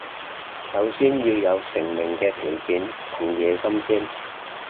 首先要有成名嘅條件同野心先